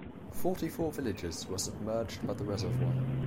Forty-four villages were submerged by the reservoir.